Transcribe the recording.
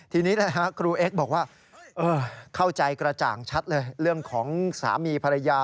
ทีนี้นะฮะครูเอ็กซ์บอกว่าเข้าใจกระจ่างชัดเลยเรื่องของสามีภรรยา